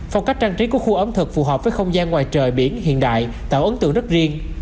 phong cách trang trí của khu ẩm thực phù hợp với không gian ngoài trời biển hiện đại tạo ấn tượng rất riêng